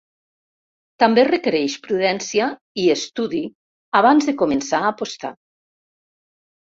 També requereix prudència i estudi abans de començar a apostar.